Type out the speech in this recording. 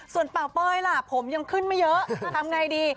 ส่วนเป่าเป้ยล่ะผมยังขึ้นไม่เยอะทำไงดี